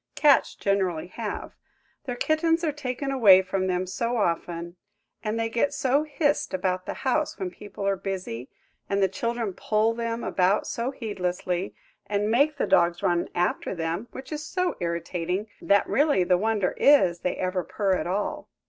Cats generally have. Their kittens are taken away from them so often, and they get so hissed about the house when people are busy, and the children pull them about so heedlessly, and make the dogs run after them–which is so irritating– that really the wonder is they ever purr at all.